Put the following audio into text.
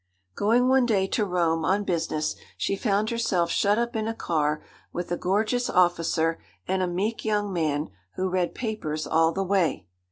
Going one day to Rome, on business, she found herself shut up in a car with a gorgeous officer and a meek young man, who read papers all the way.